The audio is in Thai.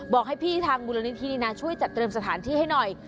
บอกให้พี่ทางมูลนิธินี่นะช่วยจัดเตรียมสถานที่ให้หน่อย